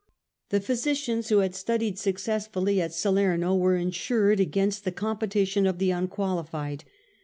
The physicians who had studied successfully at Salerno were ensured against the competition of the unqualified.